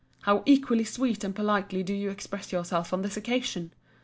How equally sweetly and politely do you express yourself on this occasion!